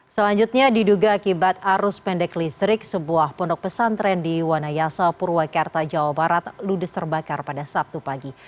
selanjutnya diduga akibat arus pendek listrik sebuah pondok pesantren di wanayasa purwakarta jawa barat ludes terbakar pada sabtu pagi